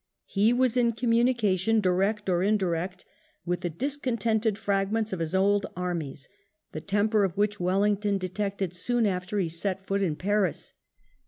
He was in communication, direct or indirect, with the dis IX NAPOLEON REAPPEARS 203 contented fragments of his old armies, the temper of which Wellington detected soon after he set foot in Paris.